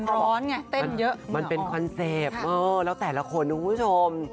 แล้วแต่ละคนคุณผู้ชม